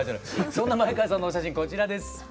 そんな前川さんのお写真こちらです。